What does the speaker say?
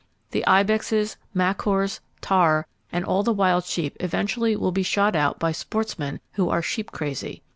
The ibexes, markhors, tahr and all the wild sheep eventually will be shot out by sportsmen who are "sheep crazy."